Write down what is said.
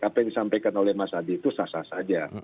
apa yang disampaikan oleh mas adi itu sah sah saja